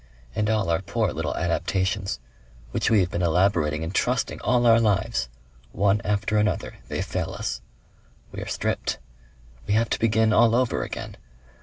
And all our poor little adaptations! Which we have been elaborating and trusting all our lives!... One after another they fail us. We are stripped.... We have to begin all over again....